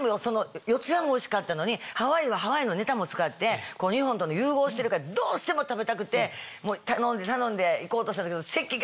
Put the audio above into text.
四谷もおいしかったのにハワイはハワイのネタも使って日本と融合してるからどうしても食べたくて頼んで頼んで行こうとしたけど。